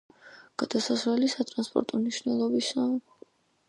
გადასასვლელი სატრანსპორტო მნიშვნელობისაა.